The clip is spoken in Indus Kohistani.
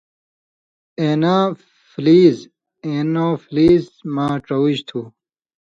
اېنافلِیز (Anopheles) مہ ڇوُژ تُھو۔